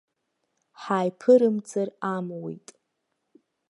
Ҳааиԥырымҵыр амуит.